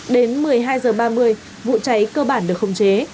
đến một mươi hai h ba mươi vụ cháy cơ bản được khống chế